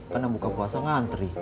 kan yang buka puasa ngantri